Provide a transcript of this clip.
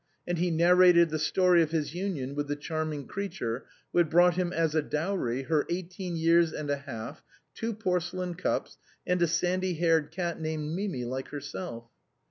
And he narrated the story of his union with the charming creature who had brought him as a dowry her eighteen years and a half, two porcelain cups, and a sandy haired cat named Mimi, like herself.